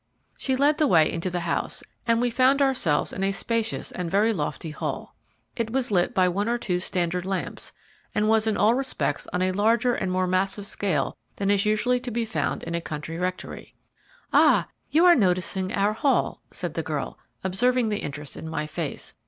She led the way into the house, and we found ourselves in a spacious and very lofty hall. It was lit by one or two standard lamps, and was in all respects on a larger and more massive scale than is usually to be found in a country rectory. "Ah! you are noticing our hall," said the girl, observing the interest in my face.